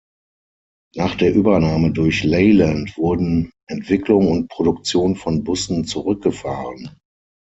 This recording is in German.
Nach der Übernahme durch Leyland wurden Entwicklung und Produktion von Bussen zurückgefahren.